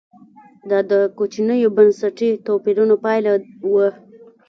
دا د کوچنیو بنسټي توپیرونو پایله وه